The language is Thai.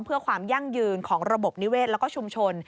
เพื่อความยั่งยืนของระบบนิเวศแล้วก็ชุมชน